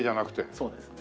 そうですね。